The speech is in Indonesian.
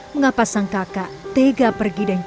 mengapa sang kakak tega pergi dan cuci